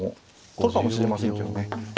取るかもしれませんけどね。